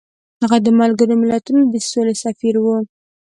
هغه د ملګرو ملتونو د سولې سفیر و.